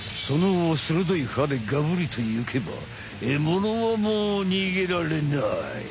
その鋭い歯でガブリといけばえものはもう逃げられない！